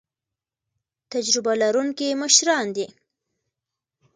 تجربه لرونکي مشران دي